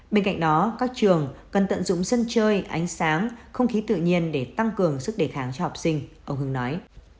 bên cạnh đó các trường cần tận dụng sân chơi ánh sáng không khí tự nhiên để tăng cường sức đề kháng cho học sinh ông hưng nói